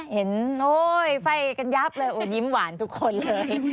โอ๊ยไฟ่กันยับเลยยิ้มหวานทุกคนเลย